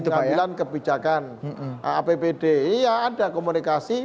proses pengambilan kebijakan apbd ya ada komunikasi